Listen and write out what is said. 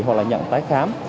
hoặc là nhận tái khám